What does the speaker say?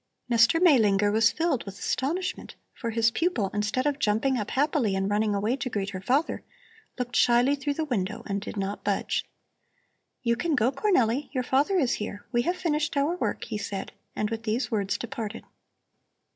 Mr. Maelinger was filled with astonishment, for his pupil, instead of jumping up happily and running away to greet her father, looked shyly through the window and did not budge. "You can go, Cornelli; your father is here! We have finished our work," he said, and with these words departed.